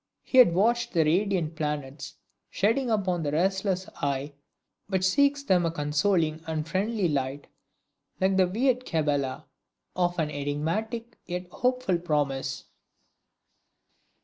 He had watched the radiant planets shedding upon the restless eye which seeks them a consoling and friendly light, like the weird cabala of an enigmatic yet hopeful promise.